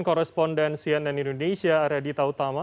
koresponden cnn indonesia arya dita utama